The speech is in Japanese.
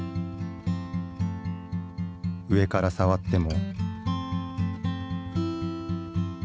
上から触っても。